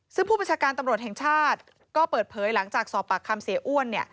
ซึ่งผู้บัญชาการตำรวจแห่งชาติก็เปิดเผยหลังจากสอบปากคำเสียอ้วน